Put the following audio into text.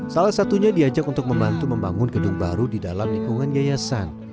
salah satunya diajak untuk membantu membangun gedung baru di dalam lingkungan yayasan